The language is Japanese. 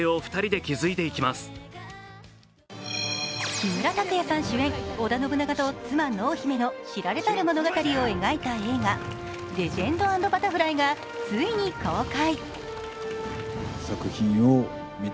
木村拓哉さん主演、織田信長と妻・濃姫の知られざる物語を描いた映画「レジェンド＆バタフライ」がついに公開。